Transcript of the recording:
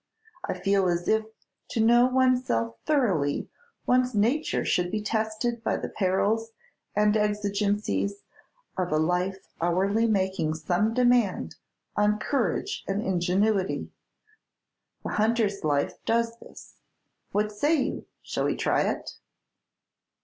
I feel as if to know one's self thoroughly, one's nature should be tested by the perils and exigencies of a life hourly making some demand on courage and ingenuity. The hunter's life does this. What say you, shall we try it?"